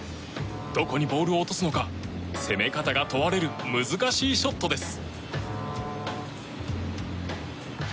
どこにボールを落とすのか攻め方が問われる難しいショットです。